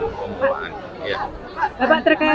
bapak terkait rumah rumah yang bermak yang usaha pak